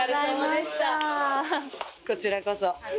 こちらこそ。